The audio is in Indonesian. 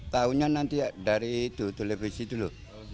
tahunya nanti dari itu televisi itu loh